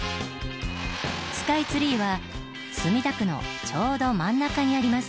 スカイツリーは墨田区のちょうど真ん中にあります。